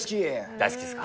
大好きですか。